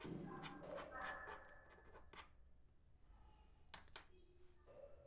মানে এই বাক্সে নেই, ফ্যাক্টরিতে আছে।